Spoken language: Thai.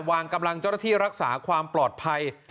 วางกำลังเจ้าหน้าที่รักษาความปลอดภัย